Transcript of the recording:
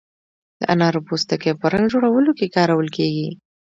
د انارو پوستکی په رنګ جوړولو کې کارول کیږي.